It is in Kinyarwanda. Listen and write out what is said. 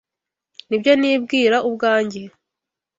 Nibyo nibwira ubwanjye.